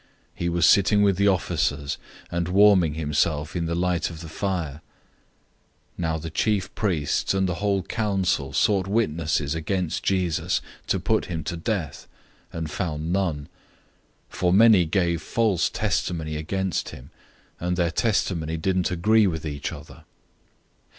He was sitting with the officers, and warming himself in the light of the fire. 014:055 Now the chief priests and the whole council sought witnesses against Jesus to put him to death, and found none. 014:056 For many gave false testimony against him, and their testimony didn't agree with each other.